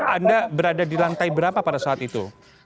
anda berada di lantai berapa pada saat itu